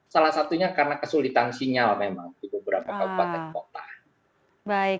salah satunya karena kesulitan sinyal memang di beberapa kabupaten kota